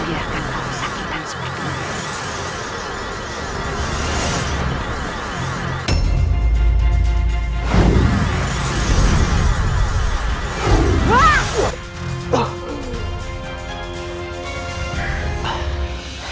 biar kau disakitkan seperti mana